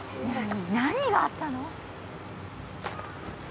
何があったの？